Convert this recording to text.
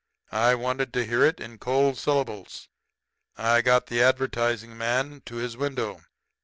I wanted to hear it in cold syllables. I got the advertising man to his window.